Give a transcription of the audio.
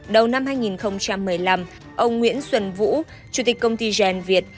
đầu năm hai nghìn một mươi năm ông nguyễn xuân vũ chủ tịch công ty gen việt